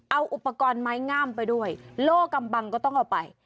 เอาอุปกรณ์ไม้งามไปด้วยโล่กำบังก็ต้องเอาไป